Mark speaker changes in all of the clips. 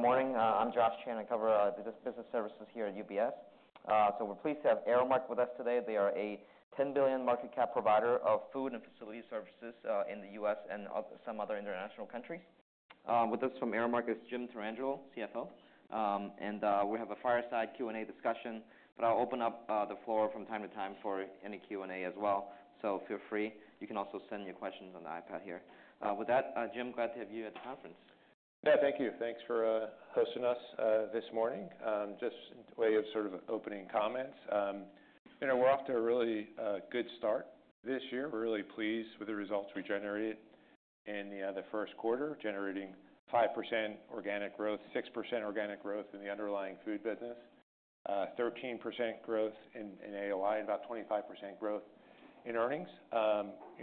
Speaker 1: Morning. I'm Josh Chan, and I cover our business services here at UBS. We are pleased to have Aramark with us today. They are a $10 billion market cap provider of food and facility services, in the US and some other international countries. With us from Aramark is Jim Tarangelo, CFO. We have a fireside Q&A discussion, but I will open up the floor from time to time for any Q&A as well. Feel free. You can also send your questions on the iPad here. With that, Jim, glad to have you at the conference.
Speaker 2: Yeah, thank you. Thanks for hosting us this morning. Just way of sort of opening comments. You know, we're off to a really good start this year. We're really pleased with the results we generated in the first quarter, generating 5% organic growth, 6% organic growth in the underlying food business, 13% growth in AOI, and about 25% growth in earnings. You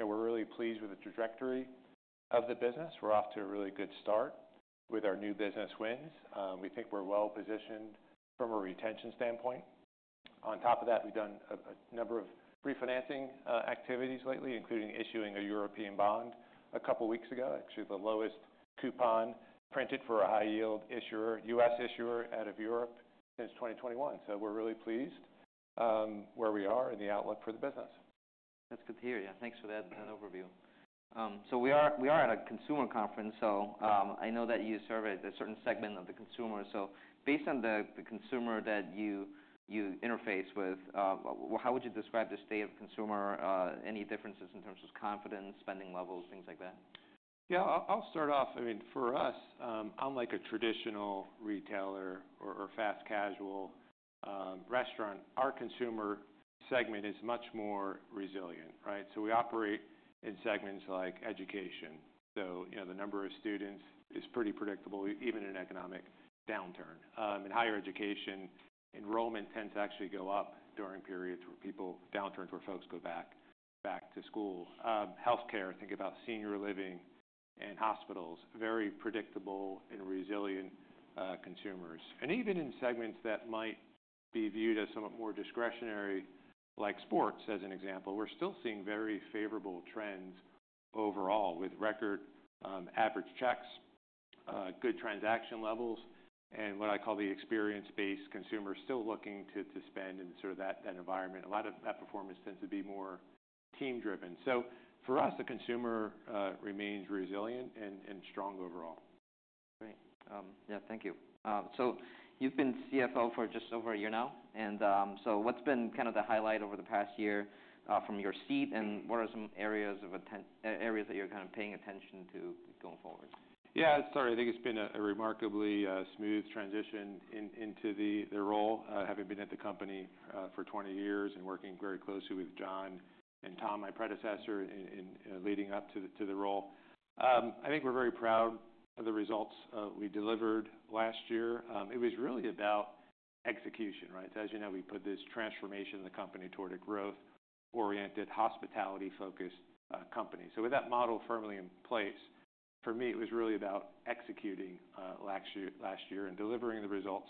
Speaker 2: know, we're really pleased with the trajectory of the business. We're off to a really good start with our new business wins. We think we're well positioned from a retention standpoint. On top of that, we've done a number of refinancing activities lately, including issuing a European bond a couple weeks ago. Actually, the lowest coupon printed for a high-yield issuer, US issuer out of Europe since 2021. We're really pleased where we are and the outlook for the business.
Speaker 1: That's good to hear. Yeah, thanks for that, that overview. We are at a consumer conference, so I know that you serve a certain segment of the consumer. Based on the consumer that you interface with, how would you describe the state of consumer, any differences in terms of confidence, spending levels, things like that?
Speaker 2: Yeah, I'll start off. I mean, for us, unlike a traditional retailer or fast casual restaurant, our consumer segment is much more resilient, right? We operate in segments like education. You know, the number of students is pretty predictable, even in an economic downturn. In higher education, enrollment tends to actually go up during periods where people downturns, where folks go back to school. Healthcare, think about senior living and hospitals, very predictable and resilient consumers. Even in segments that might be viewed as somewhat more discretionary, like sports, as an example, we're still seeing very favorable trends overall with record average checks, good transaction levels, and what I call the experience-based consumer still looking to spend in sort of that environment. A lot of that performance tends to be more team-driven. For us, the consumer remains resilient and strong overall.
Speaker 1: Great. Yeah, thank you. You've been CFO for just over a year now. What's been kind of the highlight over the past year, from your seat, and what are some areas of attention that you're kind of paying attention to going forward?
Speaker 2: Yeah, sorry. I think it's been a remarkably smooth transition into the role, having been at the company for 20 years and working very closely with John and Tom, my predecessor, in leading up to the role. I think we're very proud of the results we delivered last year. It was really about execution, right? As you know, we put this transformation of the company toward a growth-oriented, hospitality-focused company. With that model firmly in place, for me, it was really about executing last year and delivering the results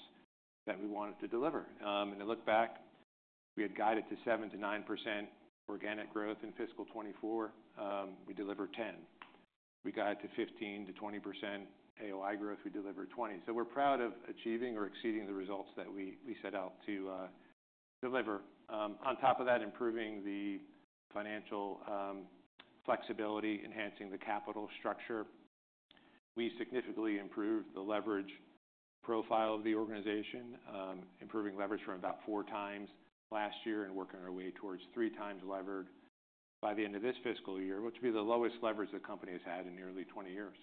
Speaker 2: that we wanted to deliver. I look back, we had guided to 7-9% organic growth in fiscal 2024. We delivered 10%. We got to 15-20% AOI growth. We delivered 20%. We're proud of achieving or exceeding the results that we set out to deliver. On top of that, improving the financial flexibility, enhancing the capital structure. We significantly improved the leverage profile of the organization, improving leverage from about four times last year and working our way towards three times leverage by the end of this fiscal year, which will be the lowest leverage the company has had in nearly 20 years.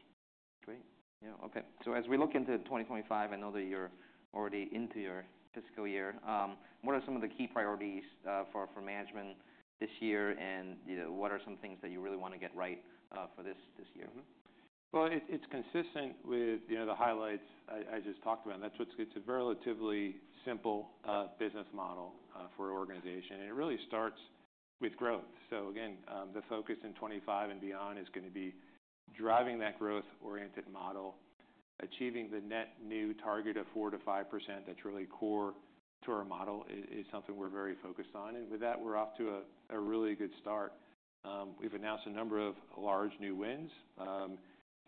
Speaker 1: Great. Yeah, okay. As we look into 2025, I know that you're already into your fiscal year. What are some of the key priorities for management this year? You know, what are some things that you really want to get right for this year?
Speaker 2: Mm-hmm. It is consistent with, you know, the highlights I just talked about. That is what is good. It is a relatively simple business model for our organization. It really starts with growth. Again, the focus in 2025 and beyond is going to be driving that growth-oriented model, achieving the net new target of 4-5%. That is really core to our model. It is something we are very focused on. With that, we are off to a really good start. We have announced a number of large new wins,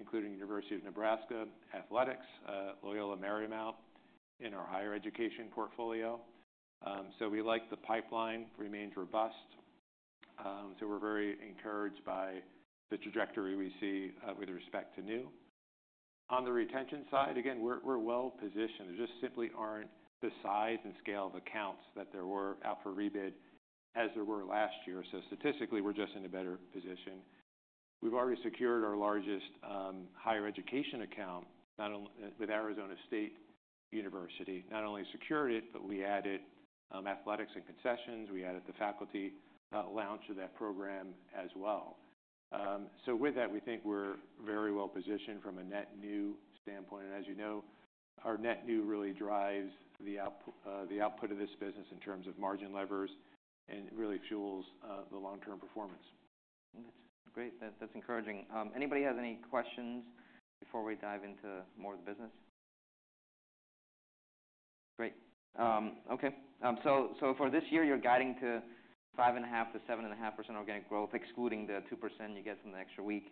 Speaker 2: including University of Nebraska Athletics, Loyola Marymount in our higher education portfolio. We like that the pipeline remains robust. We are very encouraged by the trajectory we see with respect to new. On the retention side, again, we are well positioned. There just simply are not the size and scale of accounts that there were out for rebid as there were last year. Statistically, we are just in a better position. We have already secured our largest higher education account, not only with Arizona State University, not only secured it, but we added athletics and concessions. We added the faculty lounge to that program as well. With that, we think we are very well positioned from a net new standpoint. And as you know, our net new really drives the output, the output of this business in terms of margin levers and really fuels the long-term performance.
Speaker 1: That's great. That's encouraging. Anybody has any questions before we dive into more of the business? Great. Okay. So, so for this year, you're guiding to 5.5-7.5% organic growth, excluding the 2% you get from the extra week.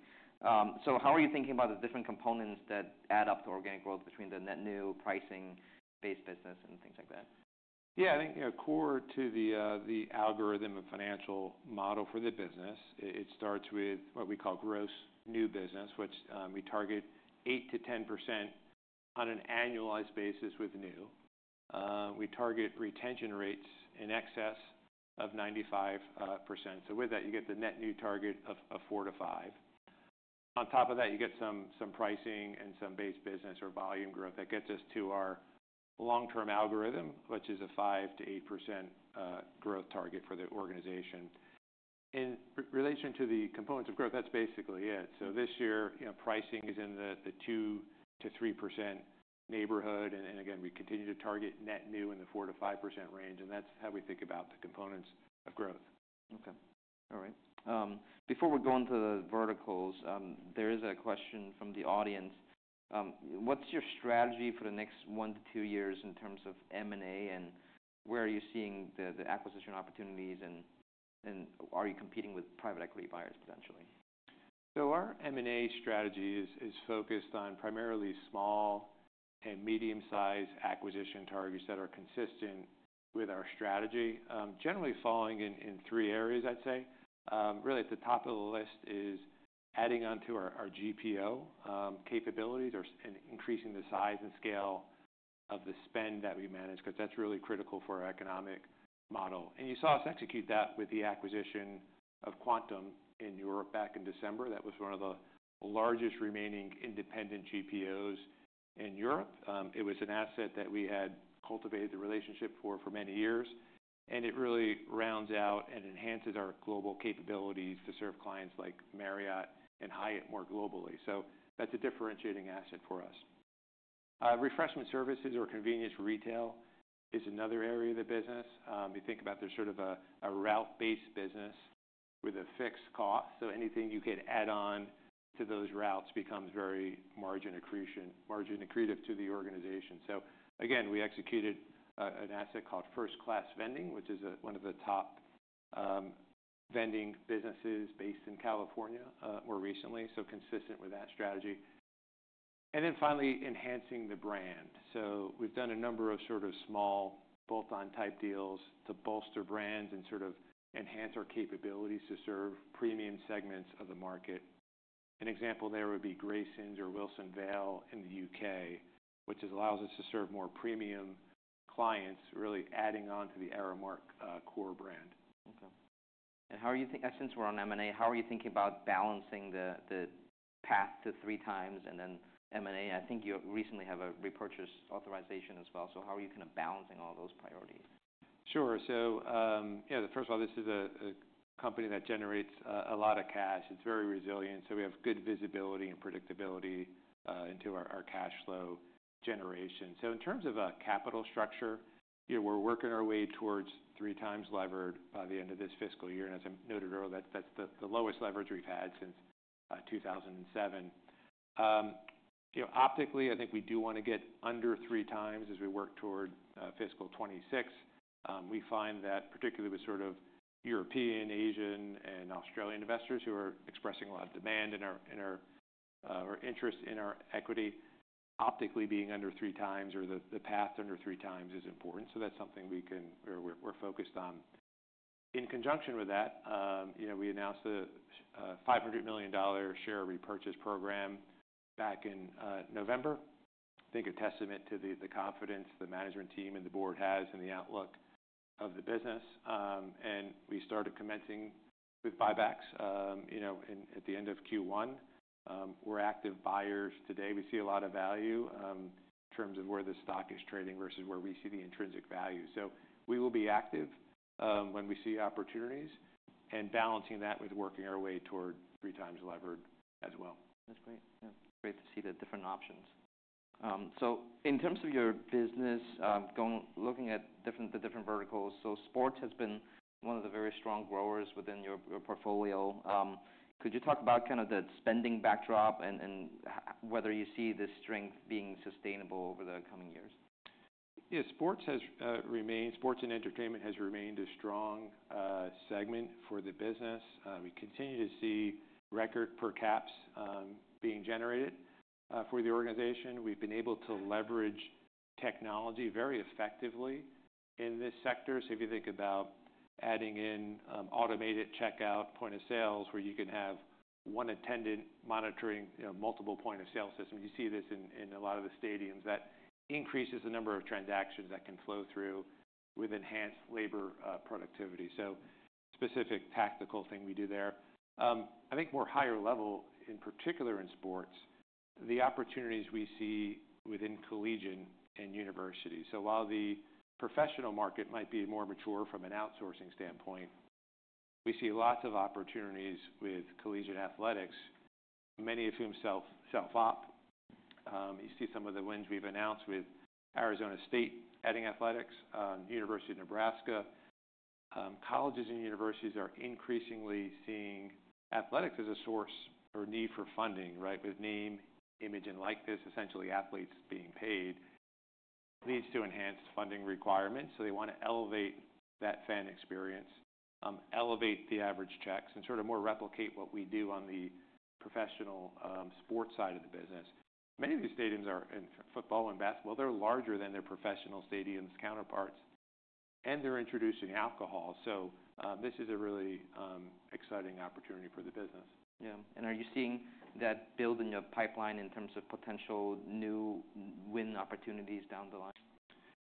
Speaker 1: So how are you thinking about the different components that add up to organic growth between the net new, pricing-based business, and things like that?
Speaker 2: Yeah, I think, you know, core to the, the algorithm of financial model for the business, it starts with what we call gross new business, which, we target 8-10% on an annualized basis with new. We target retention rates in excess of 95%. With that, you get the net new target of, of 4-5%. On top of that, you get some, some pricing and some base business or volume growth. That gets us to our long-term algorithm, which is a 5-8% growth target for the organization. In re-relation to the components of growth, that's basically it. This year, you know, pricing is in the, the 2-3% neighborhood. Again, we continue to target net new in the 4-5% range. That's how we think about the components of growth.
Speaker 1: Okay. All right. Before we go into the verticals, there is a question from the audience. What's your strategy for the next one to two years in terms of M&A? Where are you seeing the acquisition opportunities? Are you competing with private equity buyers potentially?
Speaker 2: Our M&A strategy is focused on primarily small and medium-sized acquisition targets that are consistent with our strategy, generally falling in three areas, I'd say. Really, at the top of the list is adding onto our GPO capabilities and increasing the size and scale of the spend that we manage because that's really critical for our economic model. You saw us execute that with the acquisition of Quantum in Europe back in December. That was one of the largest remaining independent GPOs in Europe. It was an asset that we had cultivated the relationship for many years. It really rounds out and enhances our global capabilities to serve clients like Marriott and Hyatt more globally. That's a differentiating asset for us. Refreshment services or convenience retail is another area of the business. You think about there's sort of a route-based business with a fixed cost. So anything you could add on to those routes becomes very margin accretion, margin accretive to the organization. Again, we executed an asset called First Class Vending, which is one of the top vending businesses based in California, more recently, so consistent with that strategy, and finally, enhancing the brand. We've done a number of sort of small bolt-on type deals to bolster brands and sort of enhance our capabilities to serve premium segments of the market. An example there would be Graysons or Wilson Vale in the U.K., which allows us to serve more premium clients, really adding on to the Aramark core brand.
Speaker 1: Okay. How are you thinking, since we're on M&A, how are you thinking about balancing the path to three times and then M&A? I think you recently have a repurchase authorization as well. How are you kind of balancing all those priorities?
Speaker 2: Sure. So, you know, first of all, this is a company that generates a lot of cash. It's very resilient. So we have good visibility and predictability into our cash flow generation. In terms of capital structure, you know, we're working our way towards three times levered by the end of this fiscal year. As I noted earlier, that's the lowest leverage we've had since 2007. You know, optically, I think we do want to get under three times as we work toward fiscal 2026. We find that particularly with sort of European, Asian, and Australian investors who are expressing a lot of demand in our, or interest in our equity, optically being under three times or the path under three times is important. That's something we can or we're focused on. In conjunction with that, you know, we announced the $500 million share repurchase program back in November, I think a testament to the confidence the management team and the board has in the outlook of the business. And we started commencing with buybacks, you know, at the end of Q1. We're active buyers today. We see a lot of value, in terms of where the stock is trading versus where we see the intrinsic value. We will be active when we see opportunities and balancing that with working our way toward three times levered as well.
Speaker 1: That's great. Yeah, great to see the different options. In terms of your business, looking at the different verticals, sports has been one of the very strong growers within your portfolio, could you talk about kind of the spending backdrop and whether you see this strength being sustainable over the coming years?
Speaker 2: Yeah, sports and entertainment has remained a strong segment for the business. We continue to see record per caps being generated for the organization. We've been able to leverage technology very effectively in this sector. If you think about adding in automated checkout point of sales where you can have one attendant monitoring, you know, multiple point of sale systems, you see this in a lot of the stadiums. That increases the number of transactions that can flow through with enhanced labor productivity. Specific tactical thing we do there. I think more higher level, in particular in sports, the opportunities we see within collegiate and university. While the professional market might be more mature from an outsourcing standpoint, we see lots of opportunities with collegiate athletics, many of whom self, self-op. You see some of the wins we've announced with Arizona State adding athletics, University of Nebraska. Colleges and universities are increasingly seeing athletics as a source or need for funding, right, with name, image, and likeness, essentially athletes being paid, leads to enhanced funding requirements. They want to elevate that fan experience, elevate the average checks, and sort of more replicate what we do on the professional sports side of the business. Many of these stadiums are in football and basketball, they're larger than their professional stadium counterparts. They are introducing alcohol. This is a really exciting opportunity for the business.
Speaker 1: Yeah. Are you seeing that building a pipeline in terms of potential new win opportunities down the line?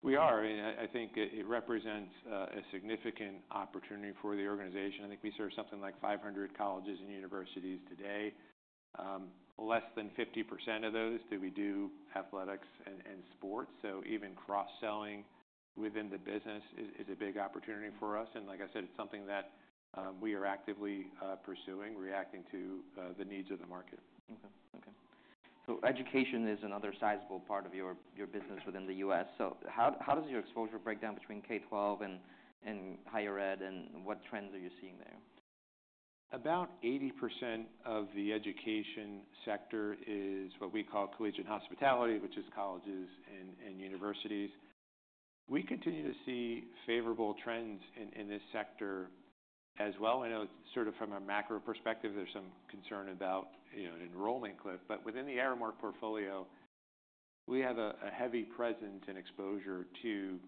Speaker 2: We are. I mean, I think it represents a significant opportunity for the organization. I think we serve something like 500 colleges and universities today. Less than 50% of those do we do athletics and sports. Even cross-selling within the business is a big opportunity for us. Like I said, it is something that we are actively pursuing, reacting to the needs of the market.
Speaker 1: Okay. Okay. Education is another sizable part of your business within the US. How does your exposure break down between K-12 and higher ed? What trends are you seeing there?
Speaker 2: About 80% of the education sector is what we call collegiate hospitality, which is colleges and universities. We continue to see favorable trends in this sector as well. I know sort of from a macro perspective, there's some concern about, you know, an enrollment cliff. Within the Aramark portfolio, we have a heavy presence and exposure to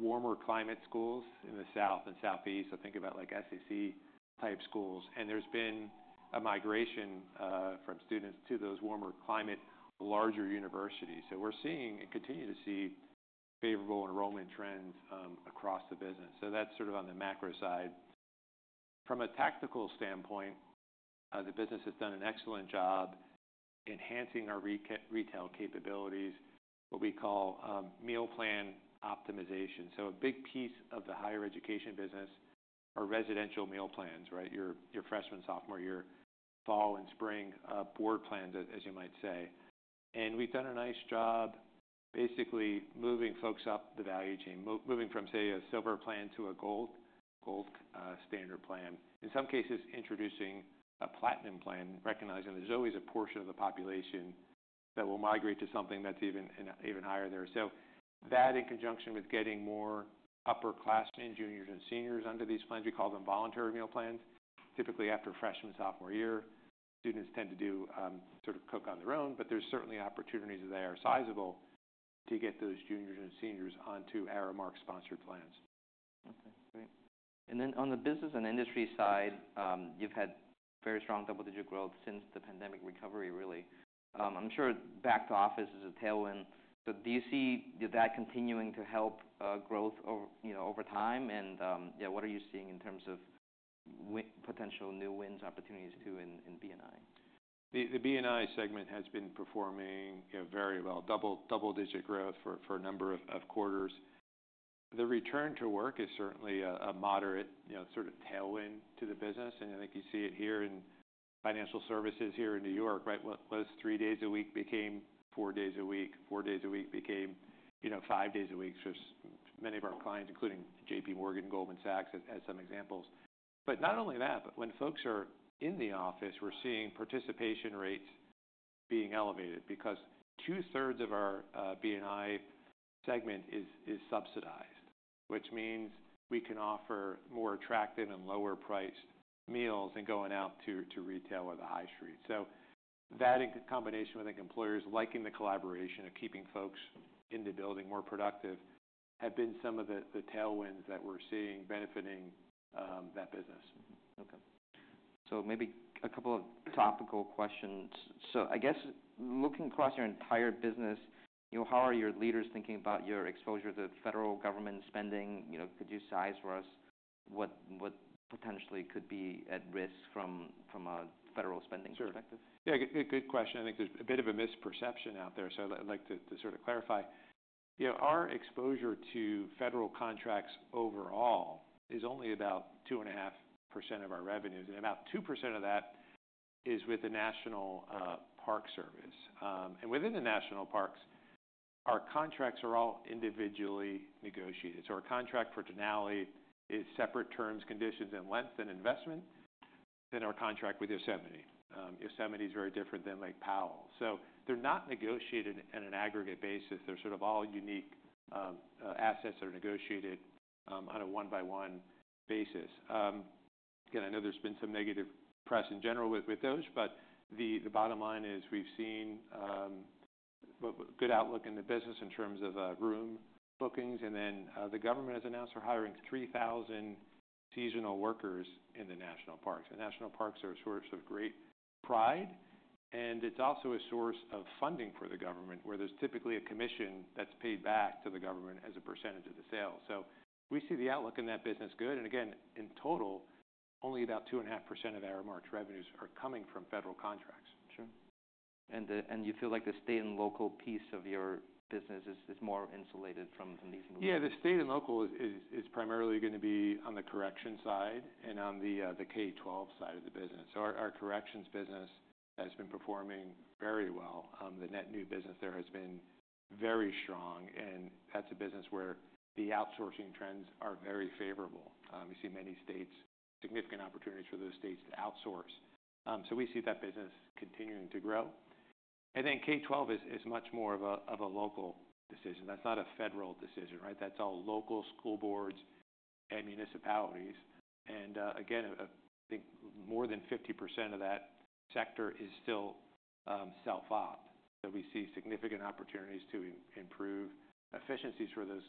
Speaker 2: warmer climate schools in the south and southeast. Think about like SEC-type schools. There's been a migration from students to those warmer climate, larger universities. We are seeing and continue to see favorable enrollment trends across the business. That's sort of on the macro side. From a tactical standpoint, the business has done an excellent job enhancing our retail capabilities, what we call meal plan optimization. A big piece of the higher education business are residential meal plans, right? Your freshman, sophomore year, fall and spring, board plans, as you might say. We have done a nice job basically moving folks up the value chain, moving from, say, a silver plan to a gold, gold standard plan. In some cases, introducing a platinum plan, recognizing there is always a portion of the population that will migrate to something that is even higher there. That in conjunction with getting more upper-class and juniors and seniors under these plans, we call them voluntary meal plans. Typically, after freshman, sophomore year, students tend to sort of cook on their own. There are certainly opportunities that are sizable to get those juniors and seniors onto Aramark-sponsored plans.
Speaker 1: Okay. Great. And then on the business and industry side, you've had very strong double-digit growth since the pandemic recovery, really. I'm sure back to office is a tailwind. Do you see that continuing to help, growth over, you know, over time? And, yeah, what are you seeing in terms of potential new wins opportunities too in, in B&I?
Speaker 2: The B&I segment has been performing, you know, very well, double-digit growth for a number of quarters. The return to work is certainly a moderate, you know, sort of tailwind to the business. I think you see it here in financial services here in New York, right? What was three days a week became four days a week. Four days a week became, you know, five days a week for many of our clients, including J.P. Morgan, Goldman Sachs as some examples. Not only that, but when folks are in the office, we're seeing participation rates being elevated because two-thirds of our B&I segment is subsidized, which means we can offer more attractive and lower-priced meals than going out to retail or the high street. That in combination with, I think, employers liking the collaboration of keeping folks in the building more productive have been some of the tailwinds that we're seeing benefiting that business.
Speaker 1: Okay. Maybe a couple of topical questions. I guess looking across your entire business, you know, how are your leaders thinking about your exposure to federal government spending? You know, could you size for us what potentially could be at risk from a federal spending perspective?
Speaker 2: Sure. Yeah, good, good question. I think there's a bit of a misperception out there. I'd like to sort of clarify. You know, our exposure to federal contracts overall is only about 2.5% of our revenues. And about 2% of that is with the National Park Service. Within the national parks, our contracts are all individually negotiated. Our contract for Denali is separate terms, conditions, and length and investment than our contract with Yosemite. Yosemite's very different than Lake Powell. They're not negotiated on an aggregate basis. They're sort of all unique assets that are negotiated on a one-by-one basis. I know there's been some negative press in general with those. The bottom line is we've seen good outlook in the business in terms of room bookings. The government has announced they're hiring 3,000 seasonal workers in the national parks. The national parks are a source of great pride. It is also a source of funding for the government where there's typically a commission that's paid back to the government as a percentage of the sales. We see the outlook in that business good. In total, only about 2.5% of Aramark's revenues are coming from federal contracts.
Speaker 1: Sure. You feel like the state and local piece of your business is more insulated from these movements?
Speaker 2: Yeah, the state and local is primarily going to be on the correction side and on the K-12 side of the business. Our corrections business has been performing very well. The net new business there has been very strong. That's a business where the outsourcing trends are very favorable. You see many states, significant opportunities for those states to outsource. We see that business continuing to grow. K-12 is much more of a local decision. That's not a federal decision, right? That's all local school boards and municipalities. Again, I think more than 50% of that sector is still self-op. We see significant opportunities to improve efficiencies for those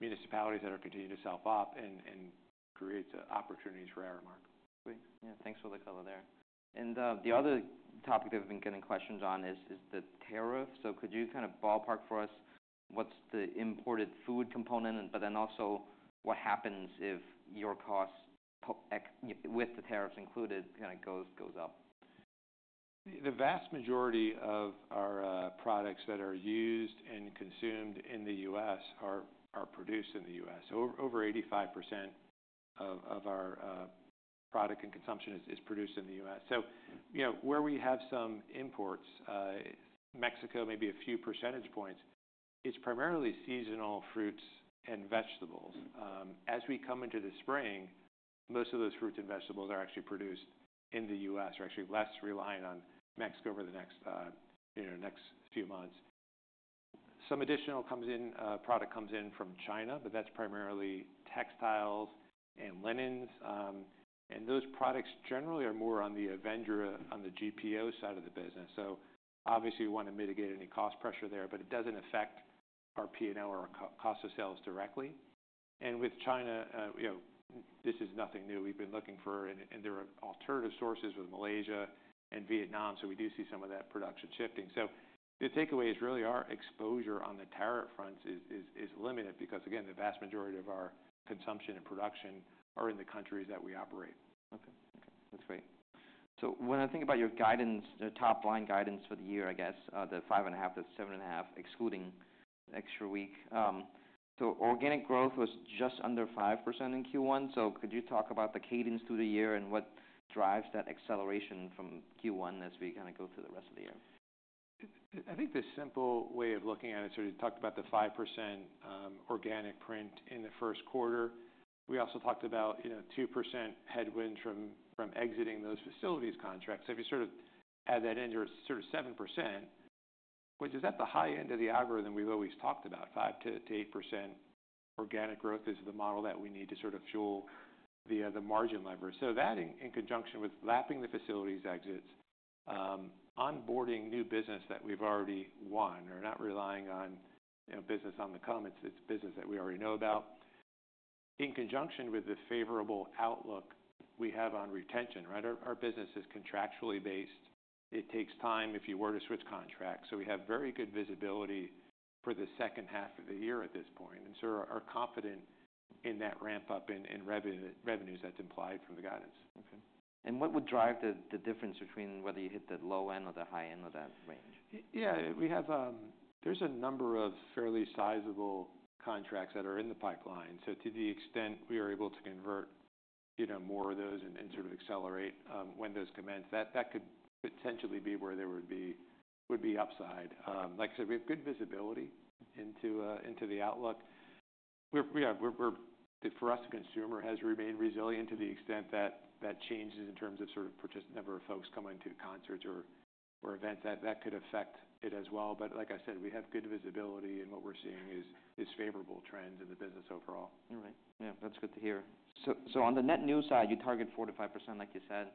Speaker 2: municipalities that are continuing to self-op and creates opportunities for Aramark.
Speaker 1: Great. Yeah. Thanks for the color there. The other topic that we've been getting questions on is the tariffs. Could you kind of ballpark for us what's the imported food component, and then also what happens if your costs with the tariffs included kind of goes up?
Speaker 2: The vast majority of our products that are used and consumed in the U.S. are produced in the U.S. Over 85% of our product and consumption is produced in the U.S. You know, where we have some imports, Mexico, maybe a few percentage points, it's primarily seasonal fruits and vegetables. As we come into the spring, most of those fruits and vegetables are actually produced in the U.S., are actually less reliant on Mexico over the next, you know, next few months. Some additional product comes in from China, but that's primarily textiles and linens, and those products generally are more on the Avendra, on the GPO side of the business. Obviously, we want to mitigate any cost pressure there, but it doesn't affect our P&L or our cost of sales directly. With China, you know, this is nothing new. We've been looking for, and there are alternative sources with Malaysia and Vietnam. We do see some of that production shifting. The takeaway is really our exposure on the tariff fronts is limited because, again, the vast majority of our consumption and production are in the countries that we operate.
Speaker 1: Okay. Okay. That's great. When I think about your guidance, your top-line guidance for the year, I guess, the 5.5-7.5%, excluding extra week, so organic growth was just under 5% in Q1. Could you talk about the cadence through the year and what drives that acceleration from Q1 as we kind of go through the rest of the year?
Speaker 2: I think the simple way of looking at it, you talked about the 5% organic print in the first quarter. We also talked about, you know, 2% headwinds from exiting those facilities contracts. If you sort of add that in, you're sort of 7%, which is at the high end of the algorithm we've always talked about, 5%-8% organic growth is the model that we need to sort of fuel the margin lever. That in conjunction with lapping the facilities exits, onboarding new business that we've already won, or not relying on, you know, business on the come, it's business that we already know about. In conjunction with the favorable outlook we have on retention, right? Our business is contractually based. It takes time if you were to switch contracts. We have very good visibility for the second half of the year at this point. We are confident in that ramp-up in revenue, revenues that's implied from the guidance.
Speaker 1: Okay. What would drive the difference between whether you hit the low end or the high end of that range?
Speaker 2: Yeah. We have, there's a number of fairly sizable contracts that are in the pipeline. To the extent we are able to convert, you know, more of those and sort of accelerate when those commence, that could potentially be where there would be upside. Like I said, we have good visibility into the outlook. We're, we are, for us, the consumer has remained resilient to the extent that that changes in terms of sort of number of folks coming to concerts or events. That could affect it as well. Like I said, we have good visibility. What we're seeing is favorable trends in the business overall.
Speaker 1: All right. Yeah. That's good to hear. On the net new side, you target 4-5%, like you said.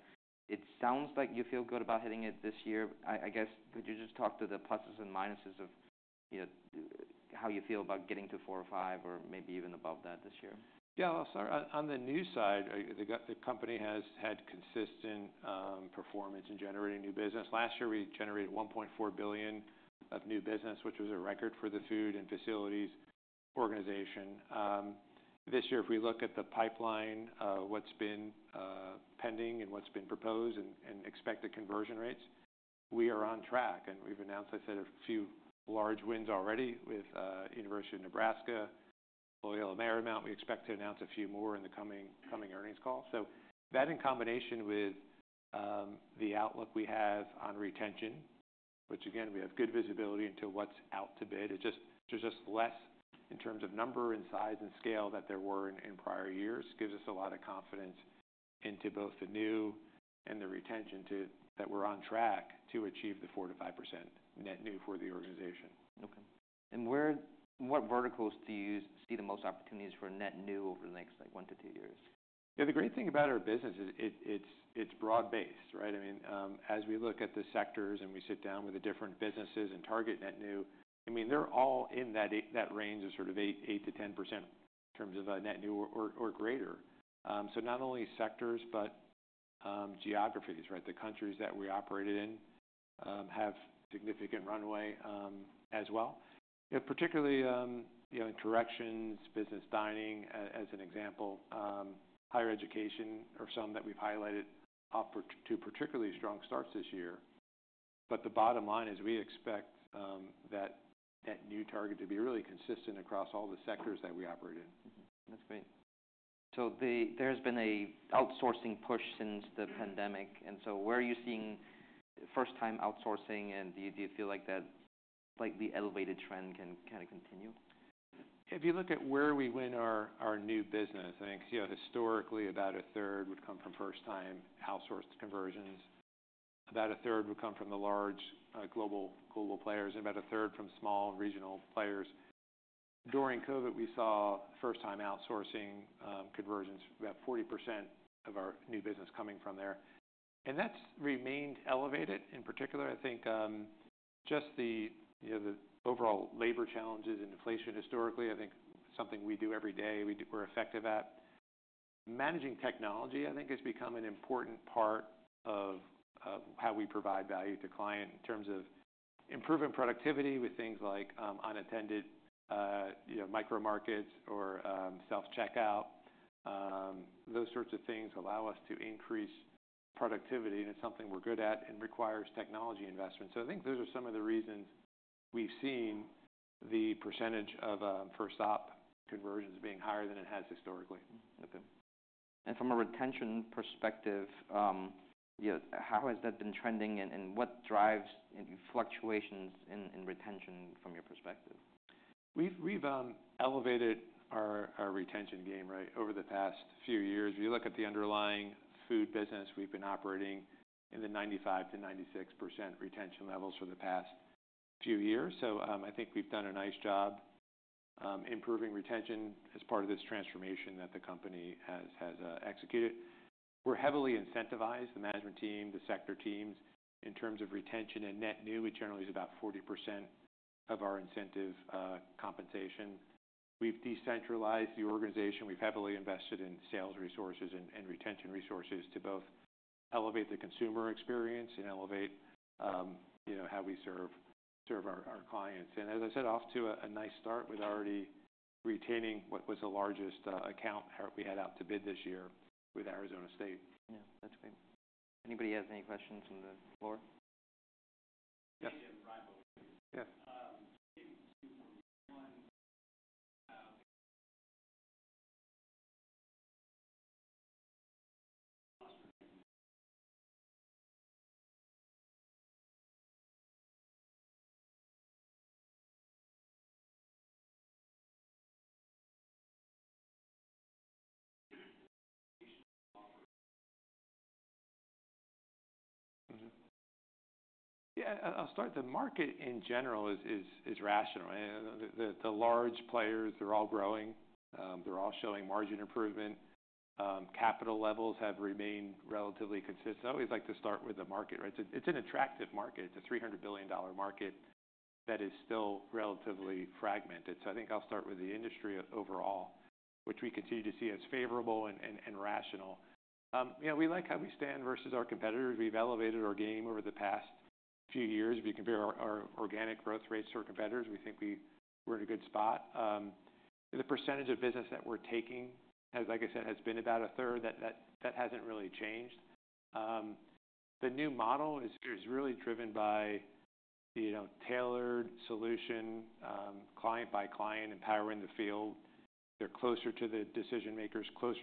Speaker 1: It sounds like you feel good about hitting it this year. I guess, could you just talk to the pluses and minuses of, you know, how you feel about getting to 4 or 5 or maybe even above that this year?
Speaker 2: Yeah. On the new side, the company has had consistent performance in generating new business. Last year, we generated $1.4 billion of new business, which was a record for the food and facilities organization. This year, if we look at the pipeline, what's been pending and what's been proposed and expected conversion rates, we are on track. We have announced, I said, a few large wins already with University of Nebraska, Loyola Marymount. We expect to announce a few more in the coming earnings call. That in combination with the outlook we have on retention, which again, we have good visibility into what's out to bid, it just, there's just less in terms of number and size and scale than there were in prior years, gives us a lot of confidence into both the new and the retention that we're on track to achieve the 4-5% net new for the organization.
Speaker 1: Okay. Where what verticals do you see the most opportunities for net new over the next, like, one to two years?
Speaker 2: Yeah. The great thing about our business is it, it's broad-based, right? I mean, as we look at the sectors and we sit down with the different businesses and target net new, I mean, they're all in that range of sort of 8-10% in terms of net new or greater. Not only sectors but geographies, right? The countries that we operated in have significant runway, as well. You know, particularly, you know, in corrections, business dining, as an example, higher education are some that we've highlighted up to particularly strong starts this year. The bottom line is we expect that net new target to be really consistent across all the sectors that we operate in.
Speaker 1: Mm-hmm. That's great. There has been an outsourcing push since the pandemic. Where are you seeing first-time outsourcing? Do you feel like that slightly elevated trend can kind of continue?
Speaker 2: If you look at where we win our new business, I think, you know, historically, about a third would come from first-time outsourced conversions. About a third would come from the large, global players and about a third from small regional players. During COVID, we saw first-time outsourcing conversions, about 40% of our new business coming from there. And that's remained elevated in particular. I think, just the, you know, the overall labor challenges and inflation historically, I think, something we do every day. We do, we're effective at managing. Technology, I think, has become an important part of how we provide value to client in terms of improving productivity with things like unattended, you know, micro-markets or self-checkout. Those sorts of things allow us to increase productivity. And it's something we're good at and requires technology investment. I think those are some of the reasons we've seen the percentage of first-op conversions being higher than it has historically.
Speaker 1: Okay. From a retention perspective, you know, how has that been trending and what drives fluctuations in retention from your perspective?
Speaker 2: We've elevated our retention game, right, over the past few years. If you look at the underlying food business, we've been operating in the 95-96% retention levels for the past few years. I think we've done a nice job, improving retention as part of this transformation that the company has executed. We're heavily incentivized, the management team, the sector teams. In terms of retention and net new, we generally use about 40% of our incentive, compensation. We've decentralized the organization. We've heavily invested in sales resources and retention resources to both elevate the consumer experience and elevate, you know, how we serve our clients. As I said, off to a nice start with already retaining what was the largest account we had out to bid this year with Arizona State.
Speaker 1: Yeah. That's great. Anybody has any questions from the floor? Yes.
Speaker 2: Mm-hmm. Yeah. I'll start. The market in general is rational. And the large players, they're all growing. They're all showing margin improvement. Capital levels have remained relatively consistent. I always like to start with the market, right? It's an attractive market. It's a $300 billion market that is still relatively fragmented. I think I'll start with the industry overall, which we continue to see as favorable and rational. You know, we like how we stand versus our competitors. We've elevated our game over the past few years. If you compare our organic growth rates to our competitors, we think we're in a good spot. The percentage of business that we're taking has, like I said, been about a third. That hasn't really changed. The new model is, is really driven by, you know, tailored solution, client by client, empowering the field. They're closer to the decision-makers, closer.